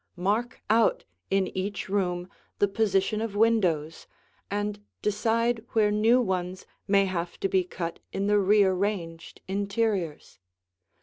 Mark out in each room the position of windows and decide where new ones may have to be cut in the rearranged interiors.